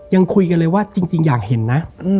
ยังคุยกันเลยว่าจริงอยากเห็นนะ